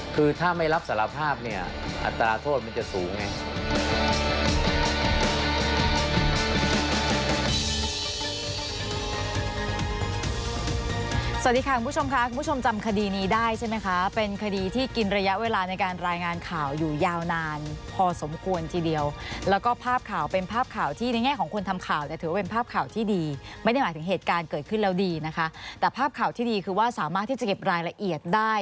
คือถ้าไม่รับสารภาพเนี่ยอัตราโทษมันจะสูงไง